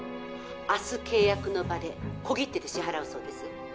明日契約の場で小切手で支払うそうです。